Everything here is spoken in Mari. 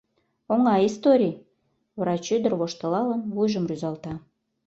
— Оҥай историй! — врач ӱдыр, воштылалын, вуйжым рӱзалта.